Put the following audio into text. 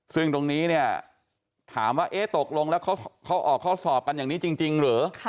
ซึ่งตรงนี้เนี่ยถามว่าเอ๊ะตกลงแล้วเขาออกข้อสอบกันอย่างนี้จริงหรือ